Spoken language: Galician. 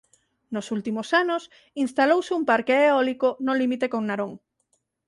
Nos últimos anos instalouse un parque eólico no límite con Narón.